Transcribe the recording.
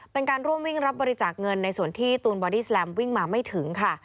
เป็นการร่วมวิ่งรับบริจาคเงินในส่วนที่ตูนบอดี้แลมวิ่งมาไม่ถึงค่ะ